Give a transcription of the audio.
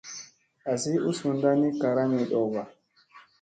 Azi u sunda ni karami ,ɗowba.